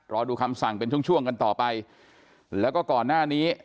รอดูคำสั่งเป็นช่วงช่วงกันต่อไปแล้วก็ก่อนหน้านี้